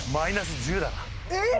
えっ！？